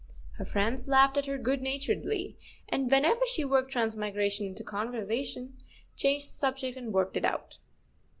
Her friends laughed at her good naturedly, and whenever she worked transmigration into the conversation, changed the subject and worked it out.